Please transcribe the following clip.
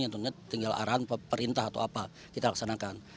yang tentunya tinggal arahan perintah atau apa kita laksanakan